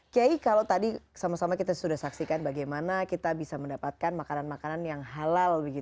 kiai kalau tadi sama sama kita sudah saksikan bagaimana kita bisa mendapatkan makanan makanan yang halal